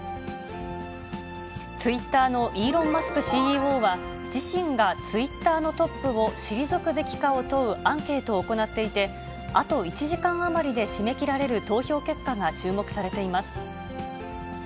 ツイッターのイーロン・マスクＣＥＯは、自身がツイッターのトップを退くべきかを問うアンケートを行っていて、あと１時間余りで締め切られる投票結果が注目されています。